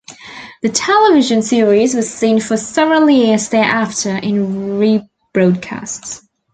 The television series was seen for several years thereafter in rebroadcasts.